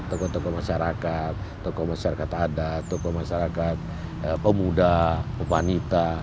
tokoh tokoh masyarakat tokoh masyarakat adat tokoh masyarakat pemuda pepanita